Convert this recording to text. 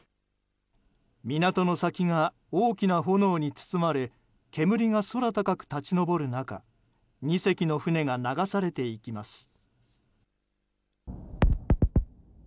港の先が大きな炎に包まれ煙が空高く立ち上る中２隻の船が流されていきます。